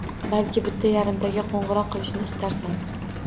Balki bitta-yarimtaga qo`ng`iroq qilishni istarsan